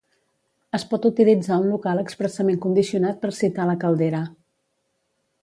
Es pot utilitzar un local expressament condicionat per citar la caldera.